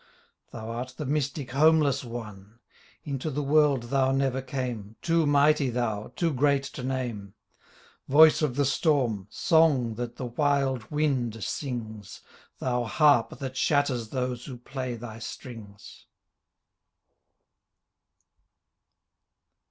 Thou art the mystic homeless One; Into the world Thou never came. Too mighty Thou, too great to name ; Voice of the storm, Song that the wild wind sings. Thou Harp that shatters those who play Thy strings!